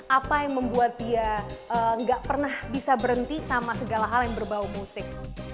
apa yang membuat dia nggak pernah bisa berhenti sama segala hal yang berbau musik